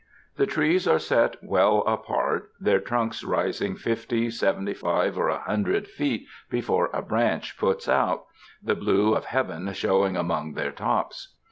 The trees are set well apart, their trunks rising flity, seventy five or a hundred feet before a branch puts out, the blue of heaven showing among their tops.